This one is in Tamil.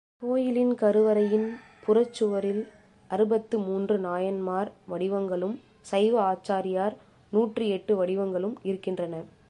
கோயிலின் கருவறையின் புறச்சுவரில் அறுபத்து மூன்று நாயன்மார் வடிவங்களும் சைவ ஆச்சாரியார் நூற்றி எட்டு வடிவங்களும் இருக்கின்றன.